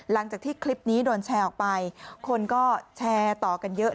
หลังจากที่คลิปนี้โดนแชร์ออกไปคนก็แชร์ต่อกันเยอะ